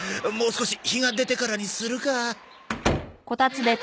もう少し日が出てからにするか。